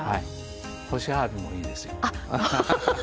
干しあわびもいいですよ。